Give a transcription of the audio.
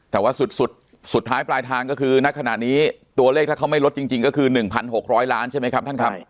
แต่ว่าสุดท้ายปลายทางก็คือนักขณะนี้ตัวเลขถ้าเขาไม่ลดจริงก็คือ๑๖๐๐ล้านใช่ไหมครับท่านครับ